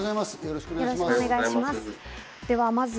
よろしくお願いします。